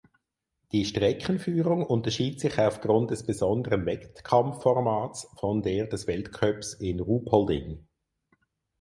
Die Streckenführung unterschied sich aufgrund des besonderen Wettkampfformats von der des Weltcups in Ruhpolding.